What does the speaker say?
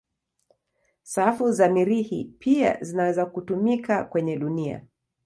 Safu za Mirihi pia zinaweza kutumika kwenye dunia.